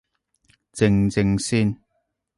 靜靜先